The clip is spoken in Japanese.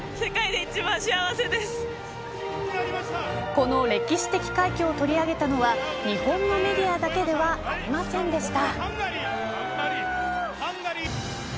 この歴史的快挙を取り上げたのは日本のメディアだけではありませんでした。